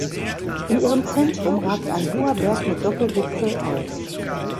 In ihrem Zentrum ragt ein hoher Berg mit Doppelgipfel auf.